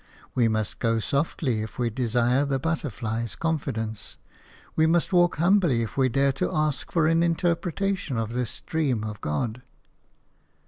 We must go softly if we desire the butterfly's confidence; we must walk humbly if we dare to ask for an interpretation of this dream of God.